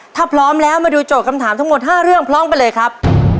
ถ้าพร้อมแล้วมาดูโจทย์คำถามทั้งหมด๕เรื่องพร้อมไปเลยครับ